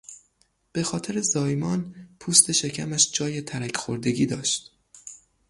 به خاطر زایمان، پوست شکمش جای ترک خوردگی داشت.